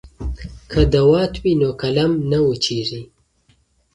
که دوات وي نو قلم نه وچیږي.